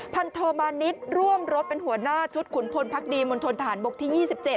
พันโทมานิดร่วมรถเป็นหัวหน้าชุดขุนพลพักดีมณฑนทหารบกที่๒๗